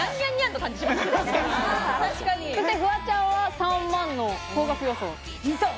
フワちゃんは３万の高額予想。